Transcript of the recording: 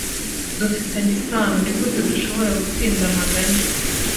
Bifitanye isano: Nigute dushobora gutsinda amaganya